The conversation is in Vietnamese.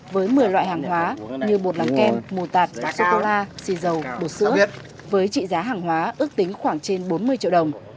với một mươi loại hàng hóa như bột bánh kem mù tạt sô cô la xì dầu bột sữa với trị giá hàng hóa ước tính khoảng trên bốn mươi triệu đồng